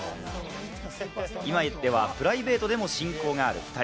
今ではプライベートでも親交がある２人。